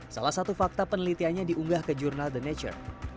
salah satu fakta penelitiannya diunggah ke jurnal the nature